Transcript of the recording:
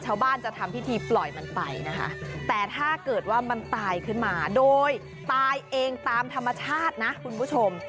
ชาวบ้านจะทำพิธีปล่อยมันไปนะคะแต่ถ้าเกิดว่ามันตายขึ้นมาโดยตายเองตามธรรมชาตินะคุณผู้ชม